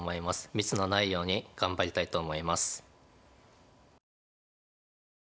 ミスのないように頑張りたいと思います。